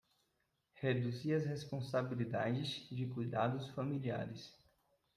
Reduzir as responsabilidades de cuidados familiares